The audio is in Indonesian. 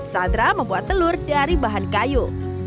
sandra membuat telur dari bahan kayu